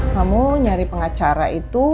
kamu nyari pengacara itu